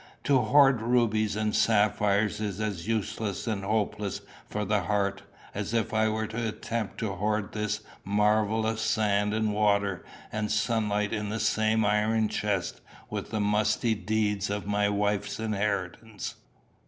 To hoard rubies and sapphires is as useless and hopeless for the heart, as if I were to attempt to hoard this marvel of sand and water and sunlight in the same iron chest with the musty deeds of my wife's inheritance.